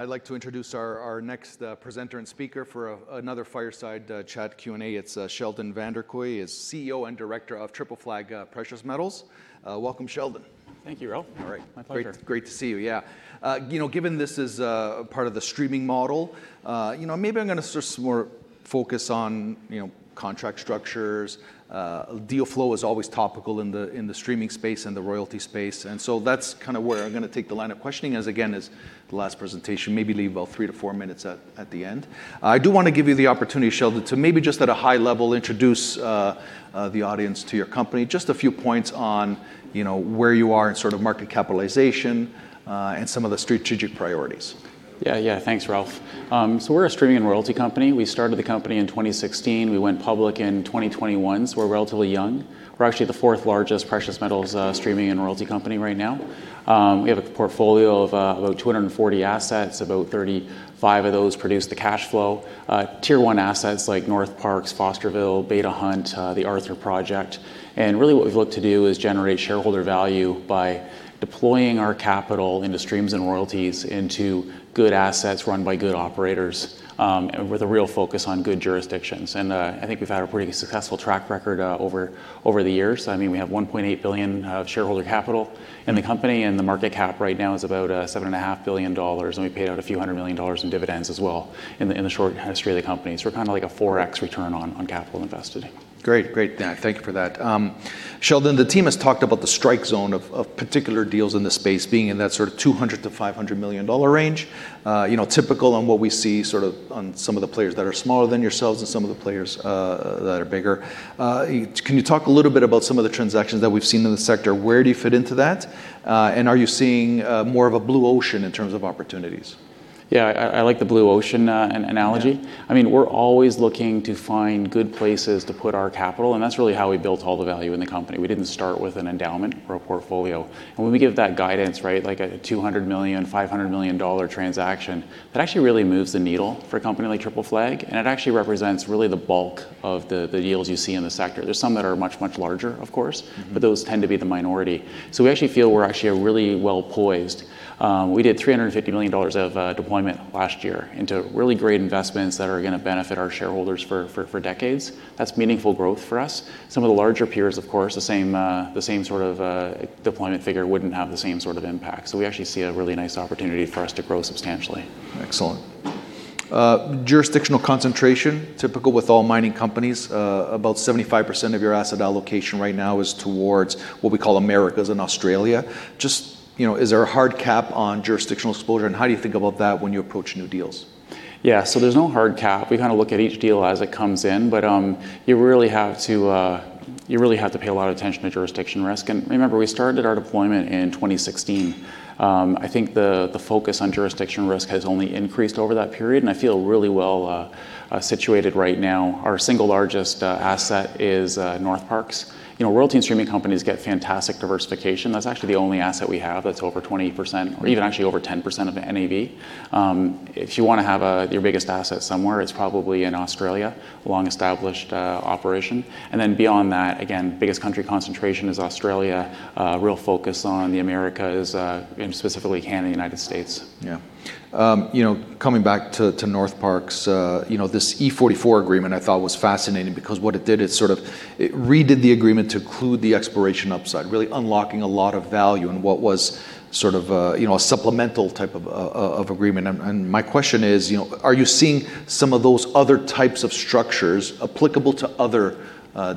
I'd like to introduce our next presenter and speaker for another fireside chat Q&A. It's Sheldon Vanderkooy, CEO and Director of Triple Flag Precious Metals. Welcome, Sheldon. Thank you, Ralph. All right. My pleasure. Great to see you. Yeah. Given this is a part of the streaming model, maybe I'm going to sort of more focus on contract structures. Deal flow is always topical in the streaming space and the royalty space, and so that's kind of where I'm going to take the line of questioning, again, as the last presentation, maybe leave about three to four minutes at the end. I do want to give you the opportunity, Sheldon, to maybe just at a high level, introduce the audience to your company, just a few points on where you are in sort of market capitalization and some of the strategic priorities. Yeah. Thanks, Ralph. We're a streaming and royalty company. We started the company in 2016. We went public in 2021, so we're relatively young. We're actually the fourth-largest precious metals streaming and royalty company right now. We have a portfolio of about 240 assets. About 35 of those produce the cash flow, Tier 1 assets like Northparkes, Fosterville, Beta Hunt, the Altar Project. Really what we've looked to do is generate shareholder value by deploying our capital into streams and royalties into good assets run by good operators with a real focus on good jurisdictions. I think we've had a pretty successful track record over the years. I mean, we have $1.8 billion of shareholder capital in the company. The market cap right now is about $7.5 billion. We paid out a few $100 million in dividends as well in the short history of the company. We're kind of like a 4x return on capital invested. Great. Thank you for that. Sheldon, the team has talked about the strike zone of particular deals in the space being in that sort of $200 million-$500 million range, typical on what we see sort of on some of the players that are smaller than yourselves and some of the players that are bigger. Can you talk a little bit about some of the transactions that we've seen in the sector? Where do you fit into that? Are you seeing more of a blue ocean in terms of opportunities? Yeah, I like the blue ocean analogy. Yeah. I mean, we're always looking to find good places to put our capital, and that's really how we built all the value in the company. We didn't start with an endowment or a portfolio. When we give that guidance, right, like a $200 million, $500 million transaction, that actually really moves the needle for a company like Triple Flag, and it actually represents really the bulk of the deals you see in the sector. There's some that are much, much larger, of course. Mm-hmm. Those tend to be the minority. We actually feel we're actually really well-poised. We did $350 million of deployment last year into really great investments that are going to benefit our shareholders for decades. That's meaningful growth for us. Some of the larger peers, of course, the same sort of deployment figure wouldn't have the same sort of impact. We actually see a really nice opportunity for us to grow substantially. Excellent. Jurisdictional concentration, typical with all mining companies, about 75% of your asset allocation right now is towards what we call Americas and Australia. Just, is there a hard cap on jurisdictional exposure, and how do you think about that when you approach new deals? Yeah. There's no hard cap. We kind of look at each deal as it comes in, but you really have to pay a lot of attention to jurisdiction risk. Remember, we started our deployment in 2016. I think the focus on jurisdiction risk has only increased over that period, and I feel really well-situated right now. Our single largest asset is Northparkes. Royalty and streaming companies get fantastic diversification. That's actually the only asset we have that's over 20% or even actually over 10% of the NAV. If you want to have your biggest asset somewhere, it's probably in Australia, a long-established operation. Beyond that, again, biggest country concentration is Australia. A real focus on the Americas, and specifically Canada and the United States. Yeah. Coming back to Northparkes, this E44 agreement I thought was fascinating because what it did is sort of it redid the agreement to include the exploration upside, really unlocking a lot of value in what was sort of a supplemental type of agreement. My question is, are you seeing some of those other types of structures applicable to other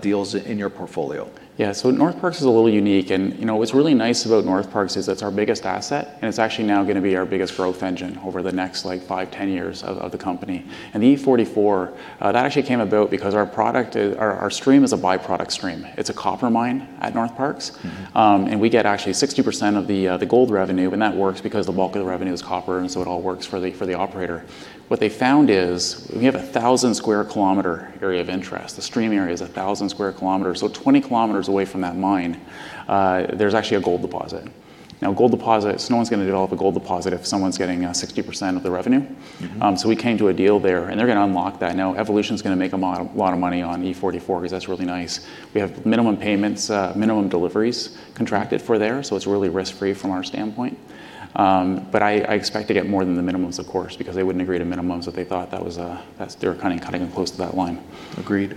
deals in your portfolio? Yeah. Northparkes is a little unique. What's really nice about Northparkes is it's our biggest asset, and it's actually now going to be our biggest growth engine over the next, like, 5-10 years of the company. The E44, that actually came about because our stream is a byproduct stream. It's a copper mine at Northparkes. Mm-hmm. We get actually 60% of the gold revenue, and that works because the bulk of the revenue is copper, and so it all works for the operator. What they found is we have 1,000 sq km area of interest. The stream area is 1,000 sq km, so 20 km away from that mine, there's actually a gold deposit. Now, a gold deposit, no one's going to develop a gold deposit if someone's getting 60% of the revenue. Mm-hmm. We came to a deal there, and they're going to unlock that. Now Evolution's going to make a lot of money on E44, because that's really nice. We have minimum payments, minimum deliveries contracted for there, so it's really risk-free from our standpoint. I expect to get more than the minimums, of course, because they wouldn't agree to minimums if they thought they were kind of cutting it close to that line. Agreed.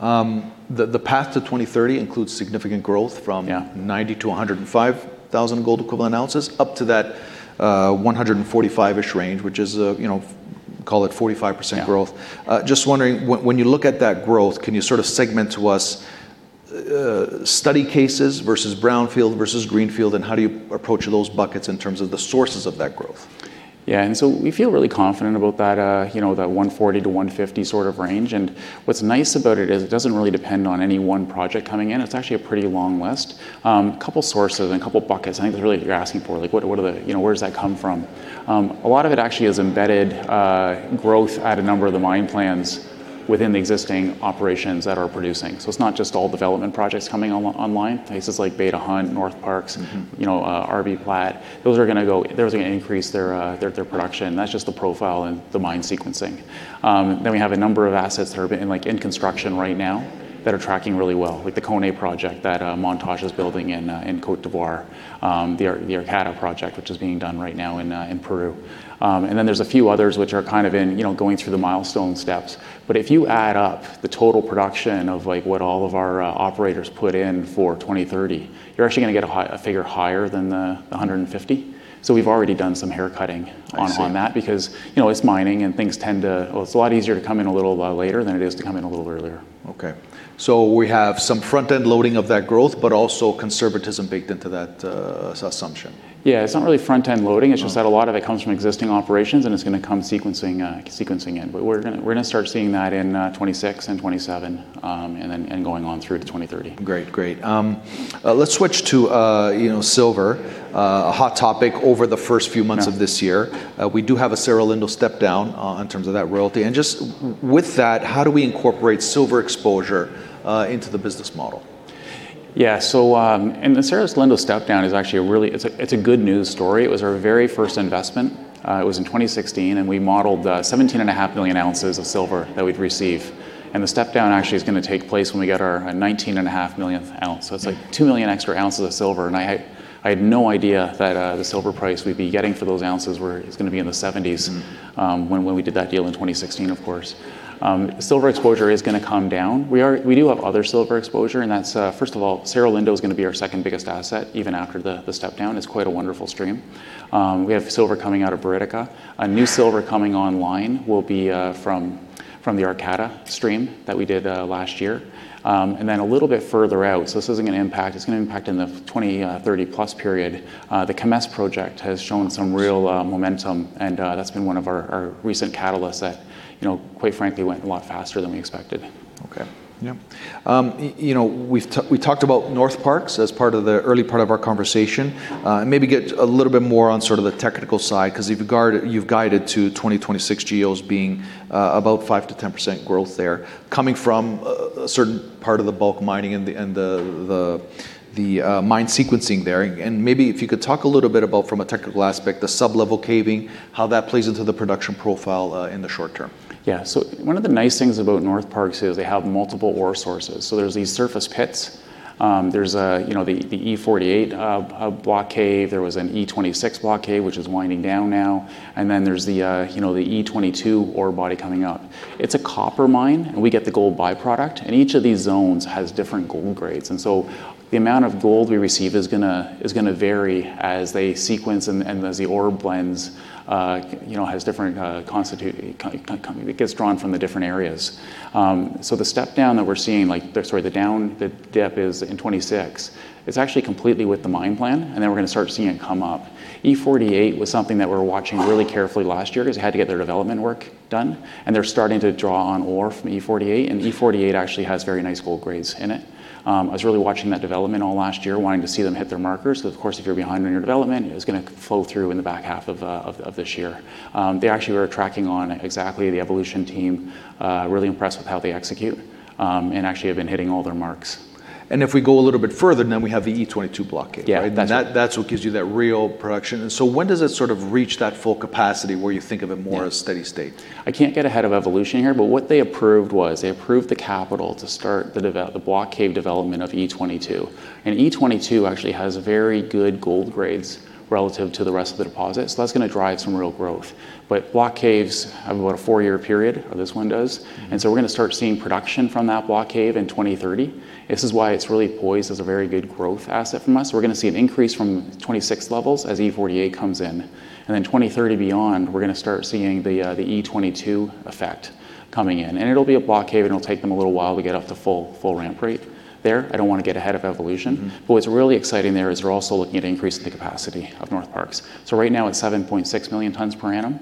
The path to 2030 includes significant growth from- Yeah, ...90,000 to 105,000 gold equivalent ounces up to that 145,000-ish range, which is, call it 45% growth. Yeah. Just wondering, when you look at that growth, can you sort of segment to us study cases versus brownfield versus greenfield, and how do you approach those buckets in terms of the sources of that growth? Yeah. We feel really confident about that 140,000-150,000 sort of range. What's nice about it is it doesn't really depend on any one project coming in. It's actually a pretty long list. Couple sources and a couple buckets, I think is really what you're asking for. Like, where does that come from? A lot of it actually is embedded growth at a number of the mine plans within the existing operations that are producing. It's not just all development projects coming online. Places like Beta Hunt, Northparkes. Mm-hmm. RBPlat, those are going to increase their production. That's just the profile and the mine sequencing. We have a number of assets that are in construction right now that are tracking really well, like the Koné project that Montage is building in Côte d'Ivoire, the Arcata project, which is being done right now in Peru. There's a few others which are going through the milestone steps. If you add up the total production of what all of our operators put in for 2030, you're actually going to get a figure higher than the 150,000. We've already done some haircutting- I see. ...on that because it's mining and it's a lot easier to come in a little later than it is to come in a little earlier. Okay. We have some front-end loading of that growth, but also conservatism baked into that assumption. Yeah, it's not really front-end loading. It's just that a lot of it comes from existing operations and it's going to come sequencing in. We're going to start seeing that in 2026 and 2027, and going on through to 2030. Great. Let's switch to silver, a hot topic over the first few months of this year. We do have a Cerro Lindo step down in terms of that royalty. Just with that, how do we incorporate silver exposure into the business model? Yeah. And the Cerro Lindo step down is actually a good news story. It was our very first investment. It was in 2016, and we modeled 17.5 million ounces of silver that we'd receive. And the step down actually is going to take place when we get our 19.5 millionth ounce. So it's like 2 million extra ounces of silver, and I had no idea that the silver price we'd be getting for those ounces where it's going to be in the 70s when we did that deal in 2016, of course. Silver exposure is going to come down. We do have other silver exposure and, first of all, Cerro Lindo is going to be our second biggest asset, even after the step down. It's quite a wonderful stream. We have silver coming out of Buriticá. A new silver coming online will be from the Arcata stream that we did last year. A little bit further out, so this is going to impact in the 2030+ period. The Camés Project has shown some real momentum, and that's been one of our recent catalysts that, quite frankly, went a lot faster than we expected. Okay. Yep. We talked about Northparkes as part of the early part of our conversation. Maybe get a little bit more on the technical side, because you've guided to 2026 GEOs being about 5%-10% growth there, coming from a certain part of the bulk mining and the mine sequencing there. Maybe if you could talk a little bit about, from a technical aspect, the sublevel caving, how that plays into the production profile in the short term? Yeah. One of the nice things about Northparkes is they have multiple ore sources. There's these surface pits, there's the E48 block cave. There was an E26 block cave, which is winding down now. There's the E22 ore body coming up. It's a copper mine, and we get the gold byproduct. Each of these zones has different gold grades. The amount of gold we receive is going to vary as they sequence and as the ore blends, it gets drawn from the different areas. The step down that we're seeing, the dip is in 2026. It's actually completely with the mine plan, and then we're going to start seeing it come up. E48 was something that we were watching really carefully last year because it had to get their development work done, and they're starting to draw on ore from E48. E48 actually has very nice gold grades in it. I was really watching that development all last year, wanting to see them hit their markers. Because of course, if you're behind on your development, it's going to flow through in the back half of this year. They actually were tracking on exactly the Evolution team. Really impressed with how they execute. Actually have been hitting all their marks. If we go a little bit further, then we have the E22 block cave, right? Yeah. That's what gives you that real production. When does it reach that full capacity where you think of it more a steady state? I can't get ahead of Evolution Mining here, but what they approved was the capital to start the block cave development of E22. E22 actually has very good gold grades relative to the rest of the deposit. That's going to drive some real growth. Block caves have about a four-year period, or this one does. We're going to start seeing production from that block cave in 2030. This is why it's really poised as a very good growth asset from us. We're going to see an increase from 2026 levels as E48 comes in. 2030 beyond, we're going to start seeing the E22 effect coming in. It'll be a block cave, and it'll take them a little while to get up to full ramp rate there. I don't want to get ahead of Evolution Mining. Mm-hmm. What's really exciting there is we're also looking at increasing the capacity of Northparkes. Right now it's 7.6 million tons per annum.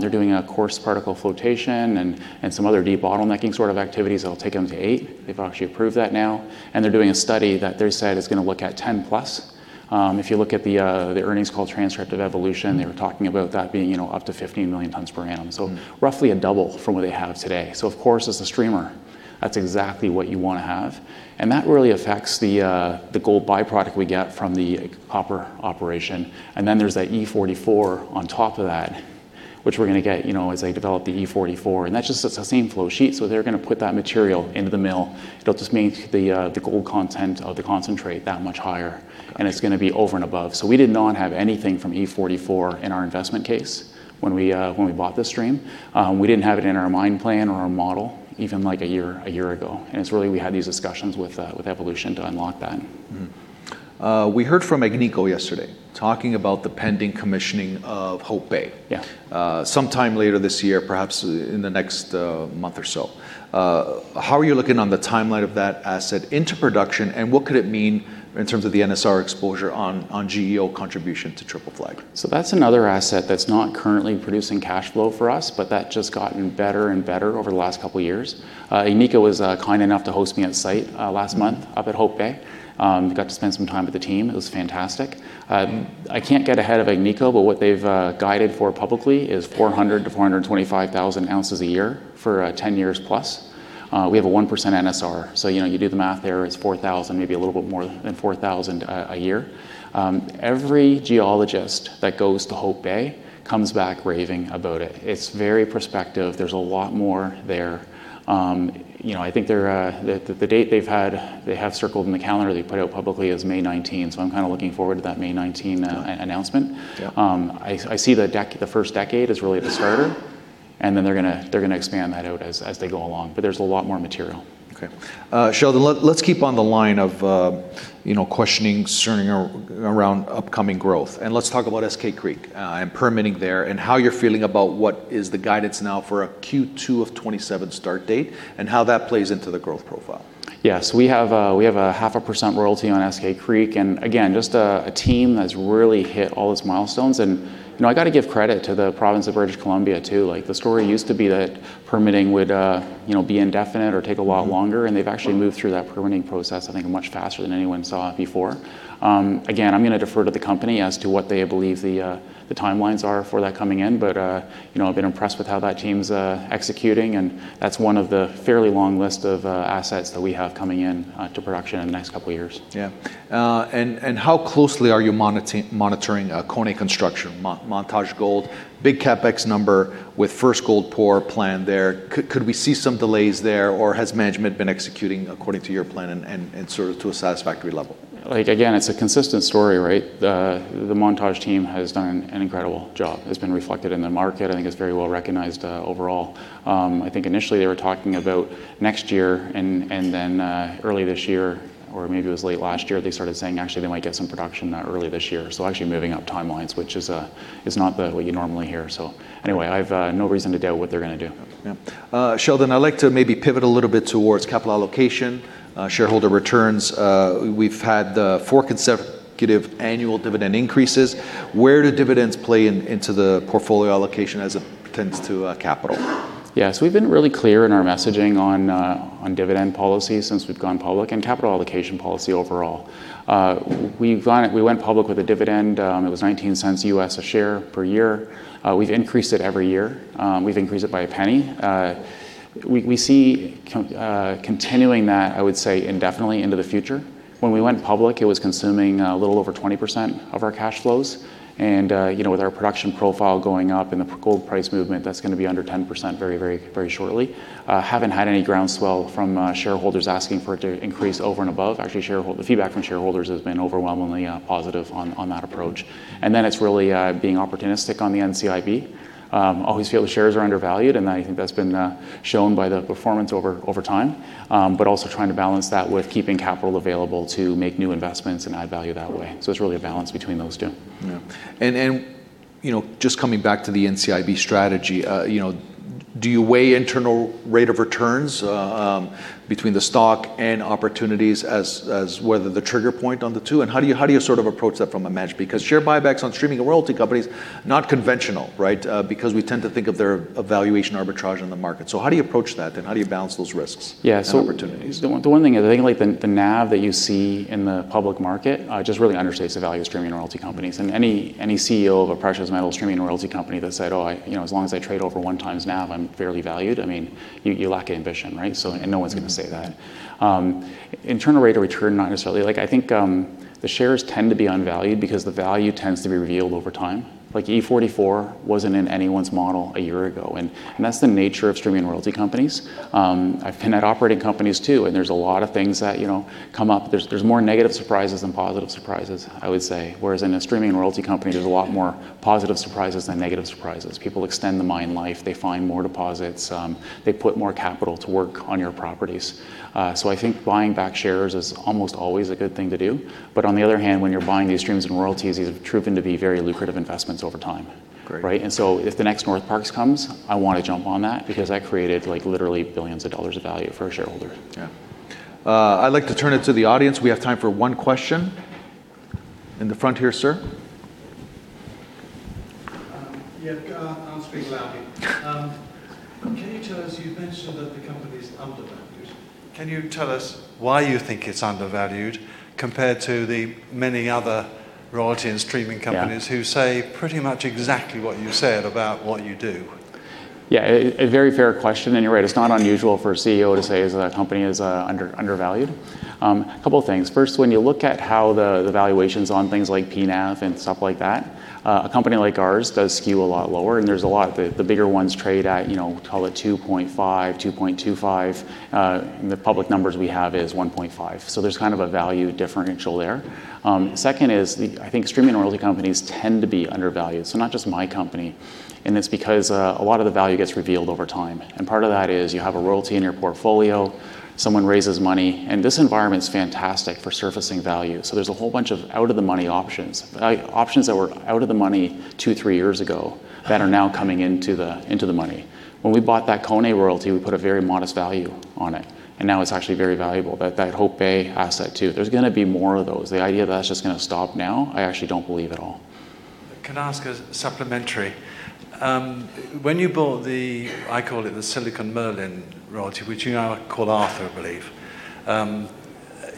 They're doing a coarse particle flotation and some other debottlenecking sort of activities that'll take them to 8 million tons. They've actually approved that now. They're doing a study that they said is going to look at 10+ million tons. If you look at the earnings call transcript of Evolution, they were talking about that being up to 15 million tons per annum, roughly a double from what they have today. Of course, as a streamer, that's exactly what you want to have. That really affects the gold byproduct we get from the copper operation. There's that E44 on top of that, which we're going to get as they develop the E44. That's just the same flowsheet. They're going to put that material into the mill. It'll just make the gold content of the concentrate that much higher, and it's going to be over and above. We did not have anything from E44 in our investment case when we bought this stream. We didn't have it in our mine plan or our model even a year ago. We had these discussions with Evolution to unlock that. We heard from Agnico yesterday talking about the pending commissioning of Hope Bay. Yeah. Sometime later this year, perhaps in the next month or so, how are you looking on the timeline of that asset into production, and what could it mean in terms of the NSR exposure on GEO contribution to Triple Flag? That's another asset that's not currently producing cash flow for us, but that just gotten better and better over the last couple of years. Agnico was kind enough to host me on-site last month up at Hope Bay. I got to spend some time with the team. It was fantastic. I can't get ahead of Agnico, but what they've guided for publicly is 400,000-425,000 ounces a year for 10+ years. We have a 1% NSR, so you do the math there, it's 4,000, maybe a little bit more than 4,000 a year. Every geologist that goes to Hope Bay comes back raving about it. It's very prospective. There's a lot more there. I think the date they have circled in the calendar they put out publicly is May 19. I'm kind of looking forward to that May 19 announcement. Yeah. I see the first decade as really the starter, and then they're going to expand that out as they go along. There's a lot more material. Okay. Sheldon, let's keep on the line of questioning concerning around upcoming growth, and let's talk about Eskay Creek, and permitting there, and how you're feeling about what is the guidance now for a Q2 of 2027 start date and how that plays into the growth profile. Yes. We have 0.5% royalty on Eskay Creek, and again, just a team that's really hit all its milestones. I got to give credit to the province of British Columbia, too. The story used to be that permitting would be indefinite or take a lot longer, and they've actually moved through that permitting process, I think, much faster than anyone saw before. Again, I'm going to defer to the company as to what they believe the timelines are for that coming in. I've been impressed with how that team's executing, and that's one of the fairly long list of assets that we have coming into production in the next couple of years. Yeah. How closely are you monitoring Koné construction, Montage Gold? Big CapEx number with first gold pour planned there. Could we see some delays there, or has management been executing according to your plan and sort of to a satisfactory level? Again, it's a consistent story, right? The Montage team has done an incredible job. It's been reflected in the market. I think it's very well-recognized overall. I think initially they were talking about next year and then early this year, or maybe it was late last year, they started saying actually they might get some production early this year, actually moving up timelines, which is not what you normally hear. Anyway, I've no reason to doubt what they're going to do. Yeah, Sheldon, I'd like to maybe pivot a little bit towards capital allocation, shareholder returns. We've had four consecutive annual dividend increases. Where do dividends play into the portfolio allocation as it pertains to capital? Yes. We've been really clear in our messaging on dividend policy since we've gone public and capital allocation policy overall. We went public with a dividend, it was $0.19 a share per year. We've increased it every year. We've increased it by a penny. We see continuing that, I would say, indefinitely into the future. When we went public, it was consuming a little over 20% of our cash flows and with our production profile going up and the gold price movement, that's going to be under 10% very shortly. Haven't had any groundswell from shareholders asking for it to increase over and above. Actually, the feedback from shareholders has been overwhelmingly positive on that approach. It's really being opportunistic on the NCIB. Always feel the shares are undervalued, and I think that's been shown by the performance over time, but also trying to balance that with keeping capital available to make new investments and add value that way. So it's really a balance between those two. Yeah. Just coming back to the NCIB strategy, do you weigh internal rate of returns between the stock and opportunities as whether the trigger point on the two? How do you sort of approach that from a match, because share buybacks on streaming and royalty companies, not conventional, right, because we tend to think of their valuation arbitrage in the market? How do you approach that then? How do you balance those risks? Yeah. Opportunities? The one thing I think, like the NAV that you see in the public market just really understates the value of streaming royalty companies. Any CEO of a precious metal streaming royalty company that said, "Oh, as long as I trade over 1x NAV, I'm fairly valued." I mean, you lack ambition, right? No one's going to say that. Internal rate of return, not necessarily. I think the shares tend to be undervalued because the value tends to be revealed over time. Like E44 wasn't in anyone's model a year ago, and that's the nature of streaming royalty companies. I've been at operating companies too, and there's a lot of things that come up. There's more negative surprises than positive surprises, I would say. Whereas in a streaming royalty company, there's a lot more positive surprises than negative surprises. People extend the mine life. They find more deposits. They put more capital to work on your properties. I think buying back shares is almost always a good thing to do. On the other hand, when you're buying these streams and royalties, these have proven to be very lucrative investments over time. Great. Right? If the next Northparkes comes, I want to jump on that because that created literally billions of dollars of value for a shareholder. Yeah. I'd like to turn it to the audience. We have time for one question. In the front here, sir. Yeah, I'll speak loudly. You've mentioned that the company's undervalued, can you tell us why you think it's undervalued compared to the many other royalty and streaming companies? Yeah. Who say pretty much exactly what you said about what you do? Yeah, a very fair question, and you're right, it's not unusual for a CEO to say that a company is undervalued. A couple of things. First, when you look at how the valuations on things like P/NAV and stuff like that, a company like ours does skew a lot lower. The bigger ones trade at, call it 2.5x, 2.25x. The public numbers we have is 1.5x. There's kind of a value differential there. Second is I think streaming royalty companies tend to be undervalued, not just my company, and it's because a lot of the value gets revealed over time. Part of that is you have a royalty in your portfolio, someone raises money, and this environment's fantastic for surfacing value. There's a whole bunch of out-of-the-money options. Options that were out of the money two, three years ago that are now coming into the money. When we bought that Koné royalty, we put a very modest value on it, and now it's actually very valuable. That Hope Bay asset, too, there's going to be more of those. The idea that that's just going to stop now, I actually don't believe at all. Can I ask a supplementary? When you bought the Silicon Merlin Royalty, which you now call Arthur, I believe,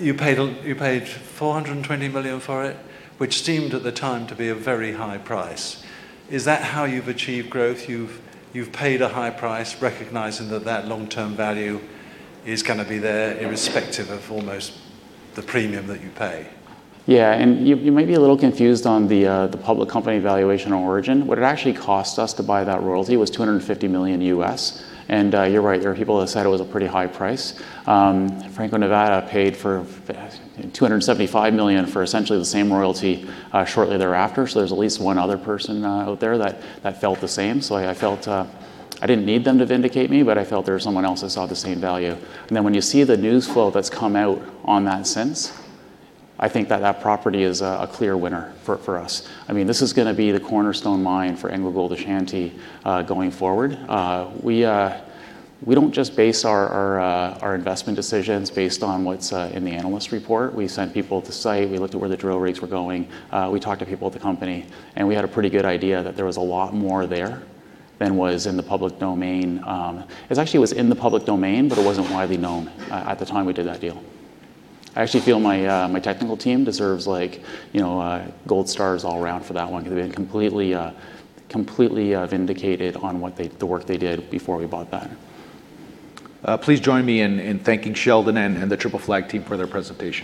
you paid $420 million for it, which seemed at the time to be a very high price. Is that how you've achieved growth? You've paid a high price, recognizing that long-term value is going to be there irrespective of almost the premium that you pay. Yeah. You might be a little confused on the public company valuation origin. What it actually cost us to buy that royalty was $250 million. You're right, there are people that said it was a pretty high price. Franco-Nevada paid $275 million for essentially the same royalty shortly thereafter. There's at least one other person out there that felt the same. I felt I didn't need them to vindicate me, but I felt there was someone else that saw the same value. When you see the news flow that's come out on that since, I think that that property is a clear winner for us. This is going to be the cornerstone mine for AngloGold Ashanti going forward. We don't just base our investment decisions based on what's in the analyst report. We sent people to site. We looked at where the drill rigs were going. We talked to people at the company, and we had a pretty good idea that there was a lot more there than was in the public domain. It actually was in the public domain, but it wasn't widely known at the time we did that deal. I actually feel my technical team deserves gold stars all around for that one. They've been completely vindicated on the work they did before we bought that. Please join me in thanking Sheldon and the Triple Flag team for their presentation.